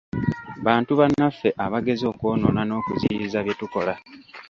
Bantu bannaffe abageza okwonoona n'okuziyiza bye tukola.